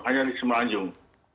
hanya di semenanjung